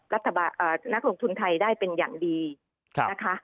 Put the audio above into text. รัฐบาลอ่านักลงทุนไทยได้เป็นอย่างดีครับนะคะ